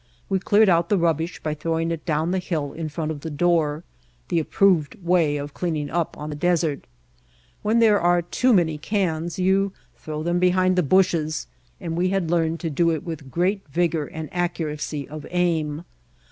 We cleared out the rubbish by throwing it down the hill in front of the door, the approved way of cleaning up on the desert. When there are too many cans you throw them behind the bushes, and we had learned to do it with great vigor and accuracy of aim.